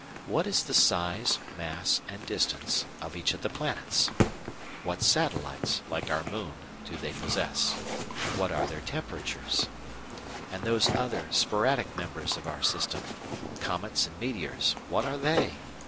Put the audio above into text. What is the size, mass, and distance of each of the planets? What satellites, like our Moon, do they possess? What are their temperatures? And those other, sporadic members of our system, comets and meteors, what are they?